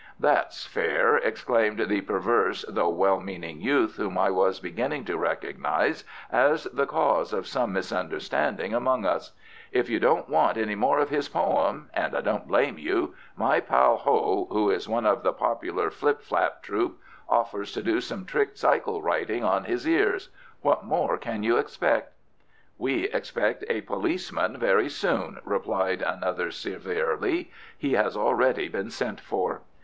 "That's fair," exclaimed the perverse though well meaning youth, whom I was beginning to recognise as the cause of some misunderstanding among us. "If you don't want any more of his poem and I don't blame you my pal Ho, who is one of the popular Flip Flap Troupe, offers to do some trick cycle riding on his ears. What more can you expect?" "We expect a policeman very soon," replied another severely. "He has already been sent for."